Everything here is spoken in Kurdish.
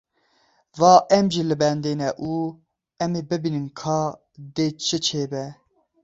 Va em jî li bendê ne û em ê bibînin ka dê çi çêbe.